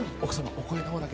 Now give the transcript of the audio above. お声の方だけ。